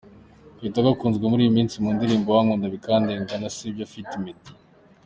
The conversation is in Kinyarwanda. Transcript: Kitoko akunzwe muri iyi minsi mu ndirimbo “Urankunda Bikandenga” na “Sibyo ft Meddy”.